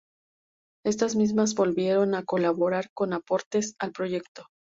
Estas mismas volvieron a colaborar con aportes al proyecto.